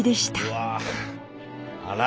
うわあら！